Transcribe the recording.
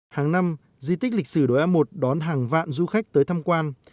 hàng năm di tích lịch sử đội a một đón hàng vạn du khách tới thăm quan